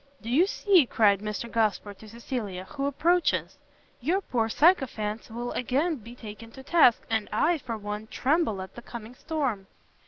"Do you see," cried Mr Gosport to Cecilia, "who approaches? your poor sycophants will again be taken to task, and I, for one, tremble at the coming storm!"